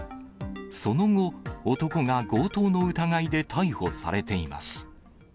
その後、男が強盗の疑いで逮捕されています。